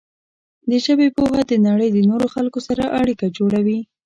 د ژبې پوهه د نړۍ د نورو خلکو سره اړیکه جوړوي.